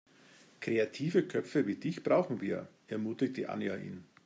Kreative Köpfe wie dich brauchen wir, ermutigte Anja ihn.